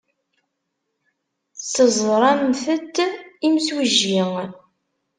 Teẓramt-d imsujji.